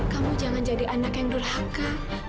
kamu jangan jadi anak yang durhaka